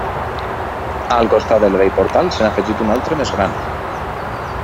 Al costat del vell portal se n'ha afegit un altre més gran.